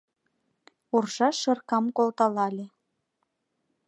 Уржа шыркам колталале